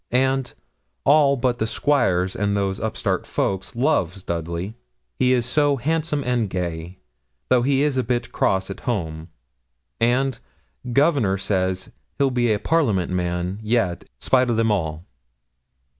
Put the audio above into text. And 'all but the squires and those upstart folk loves Dudley, he is so handsome and gay though he be a bit cross at home.' And, 'Governor says, he'll be a Parliament man yet, spite o' them all.'